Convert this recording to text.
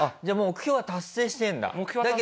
じゃあ目標は達成してるんだ？